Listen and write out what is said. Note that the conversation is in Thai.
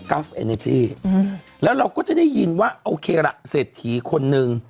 กาฟเชื่อแล้วเราก็จะได้ยินว่าโอเคละเศรษฐีคนนึง